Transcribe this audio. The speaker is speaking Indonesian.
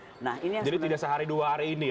nah jadi tidak sehari dua hari ini ya